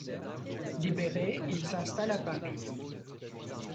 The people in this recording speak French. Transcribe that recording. Libéré, il s'installe à Paris.